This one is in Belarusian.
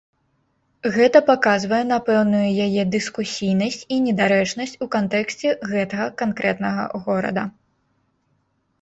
Гэта паказвае на пэўную яе дыскусійнасць і недарэчнасць у кантэксце гэтага канкрэтнага горада.